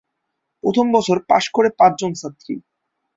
প্রথম বছর পাশ করে পাঁচজন ছাত্রী।